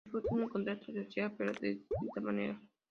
Disfrutan el contacto social, pero de distinta manera.